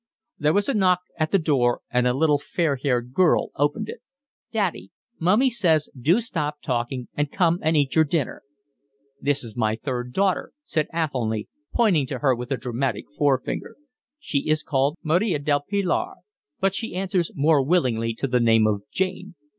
There was a knock at the door, and a little fair haired girl opened it. "Daddy, mummy says, do stop talking and come and eat your dinner." "This is my third daughter," said Athelny, pointing to her with a dramatic forefinger. "She is called Maria del Pilar, but she answers more willingly to the name of Jane.